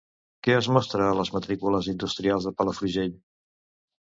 Què es mostra a les matrícules industrials de Palafrugell?